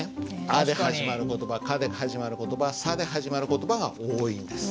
「あ」で始まる言葉「か」で始まる言葉「さ」で始まる言葉が多いんです。